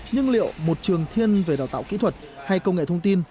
nhưng liệu một trường thiên về đào tạo kỹ thuật hay công nghệ thông tin